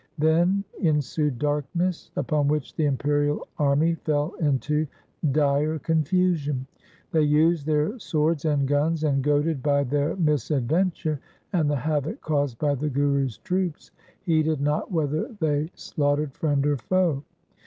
Then ensued darkness, upon which the imperial army fell into dire confusion. They used their swords and guns, and, goaded by their misadventure and the havoc caused by the Guru's troops, heeded not 182 THE SIKH RELIGION whether they slaughtered friend or foe.